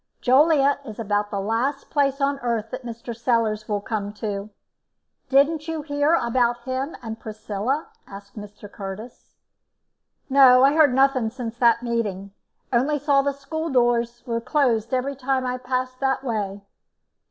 "Joliet is about the last place on this earth that Mr. Sellars will come to. Didn't you hear about him and Priscilla?" asked Mr. Curtis. "No, I heard nothing since that meeting; only saw the school doors were closed every time I passed that way."